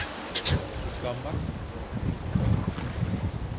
Kıskanmak mı?